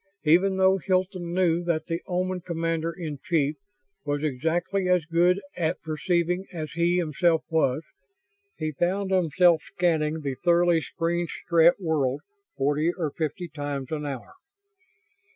Even though Hilton knew that the Oman commander in chief was exactly as good at perceiving as he himself was, he found himself scanning the thoroughly screened Strett world forty or fifty times an hour.